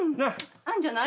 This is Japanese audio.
あんじゃない？